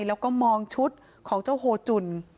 แล้วก็มองชุดของเจ้าโฮจุ่น